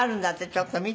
ちょっと見て。